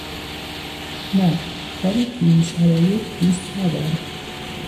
نه، ولی تو این شرایط دوست ندارم